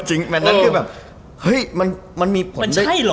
จริงแบบเออเฮ้ยมันมันมันมีผลมันใช่หรอ